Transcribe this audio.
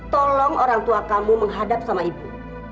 tolong orang tua kamu menghadap sama ibu